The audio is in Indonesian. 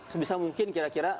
sebisa mungkin kira kira